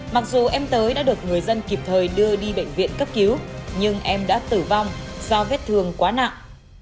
mặc dù em tới đã được người dân kịp thời đưa đi bệnh viện cấp cứu nhưng em đã tử vong do vết thương quá nặng